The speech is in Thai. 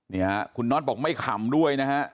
นี่ฮะคุณน็อตบอกไม่ขำด้วยนะฮะ